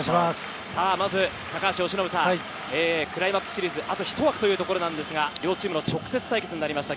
クライマックスシリーズ、あとひと枠というところなんですが、両チームの直接対決になりました。